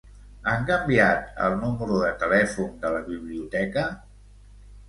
Han canviat el número de telèfon de la biblioteca?